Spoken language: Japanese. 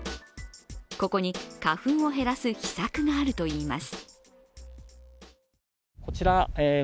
ここに花粉を減らす秘策があるといいます。